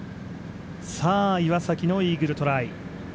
岩崎のイーグルトライ。